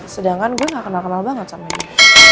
sedangkan gue ga kenal kenal banget sama dia